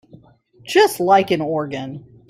Just like an organ.